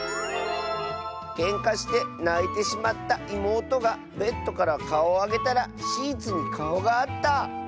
「けんかしてないてしまったいもうとがベッドからかおをあげたらシーツにかおがあった」。